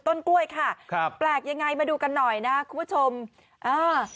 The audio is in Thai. ต้นกล้วยค่ะครับแปลกยังไงมาดูกันหน่อยนะคุณผู้ชมอ่า